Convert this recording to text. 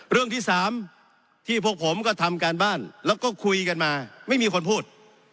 เรื่องที่สามที่พวกผมก็ทำการบ้านแล้วก็คุยกันมาไม่มีคนพูด